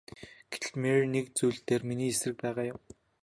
Гэтэл Мэри нэг л зүйл дээр миний эсрэг байгаа юм.